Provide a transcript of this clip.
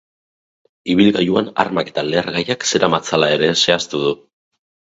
Ibilgailuan armak eta lehergaiak zeramatzala ere zehaztu du.